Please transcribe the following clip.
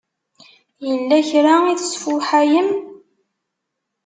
Yella kra i tesfuḥayem?